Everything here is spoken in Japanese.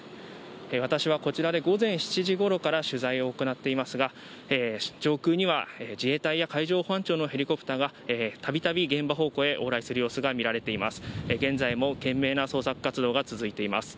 私は、こちらで午前７時頃から取材を行っていますが、上空には自衛隊の海上保安庁のヘリコプターがたびたび現場方向へ往来する様子が見られています。